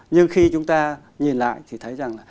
nhưng khi chúng ta nhìn lại thì thấy rằng